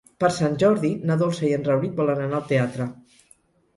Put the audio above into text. Per Sant Jordi na Dolça i en Rauric volen anar al teatre.